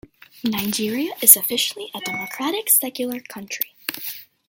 Nigeria is officially a democratic secular country.